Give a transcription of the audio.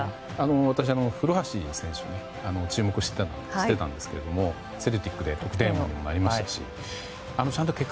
私、古橋選手に注目してたんですけれどもセルティックで得点王にもなりましたし。